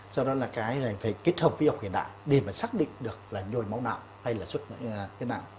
sau đó là cái phải kết hợp với y học hiện đại để mà xác định được là nổi mẫu nào hay là suốt thế nào